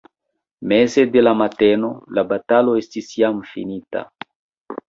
Meze de la mateno, la batalo estis jam finita.